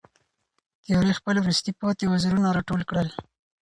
تیارې خپل وروستي پاتې وزرونه را ټول کړل.